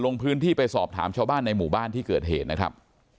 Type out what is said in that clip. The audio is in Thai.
ลงพื้นที่ไปสอบถามชาวบ้านในหมู่บ้านที่เกิดเหตุนะครับ